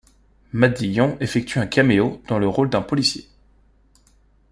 Matt Dillon effectue un caméo, dans le rôle d'un policier.